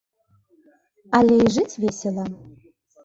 Але і жыць весела.